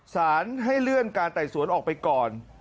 สารให้เลื่อนการไต่สวนออกไปก่อน